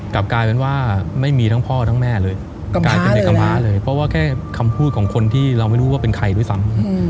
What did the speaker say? กลับกลายเป็นว่าไม่มีทั้งพ่อทั้งแม่เลยกลายเป็นเด็กม้าเลยเพราะว่าแค่คำพูดของคนที่เราไม่รู้ว่าเป็นใครด้วยซ้ำ